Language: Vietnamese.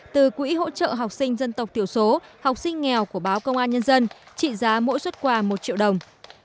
từ quỹ hỗ trợ học sinh dân tộc thiểu số học sinh nghèo của báo công an nhân dân trị giá mỗi xuất quà một triệu đồng